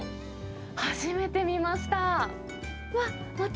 初めて見ました。